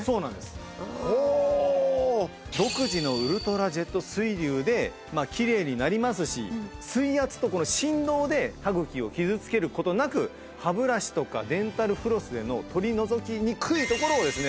独自のウルトラジェット水流できれいになりますし水圧とこの振動で歯茎を傷つける事なく歯ブラシとかデンタルフロスでの取り除きにくいところをですね